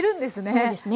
そうですね。